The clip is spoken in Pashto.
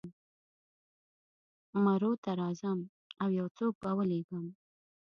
مرو ته راځم او یو څوک به ولېږم.